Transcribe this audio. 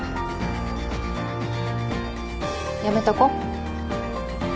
やめとこ。